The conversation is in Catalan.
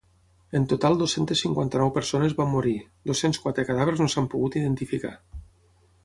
En total dues-centes cinquanta-nou persones van morir, dos-cents quatre cadàvers no s’han pogut identificar.